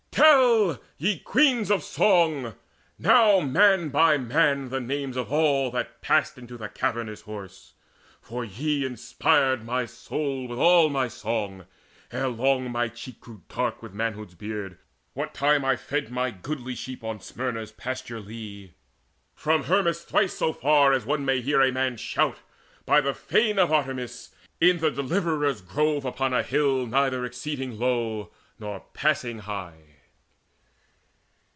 Tell, ye Queens of Song, Now man by man the names of all that passed Into the cavernous Horse; for ye inspired My soul with all my song, long ere my cheek Grew dark with manhood's beard, what time I fed My goodly sheep on Smyrna's pasture lea, From Hermus thrice so far as one may hear A man's shout, by the fane of Artemis, In the Deliverer's Grove, upon a hill Neither exceeding low nor passing high.